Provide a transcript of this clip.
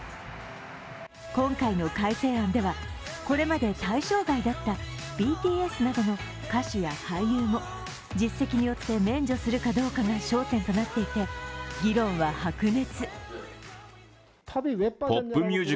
今回の改正案では、これまで対象外だったＢＴＳなどの歌手や俳優も実績によって免除するかどうかが焦点となっていて議論は白熱。